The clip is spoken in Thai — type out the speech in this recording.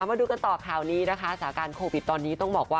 มาดูกันต่อข่าวนี้นะคะสาการโควิดตอนนี้ต้องบอกว่า